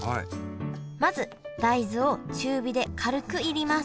まず大豆を中火で軽く煎ります。